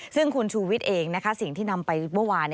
ซึ่งคุณชูวิทย์เองสิ่งที่นำไปเมื่อวาน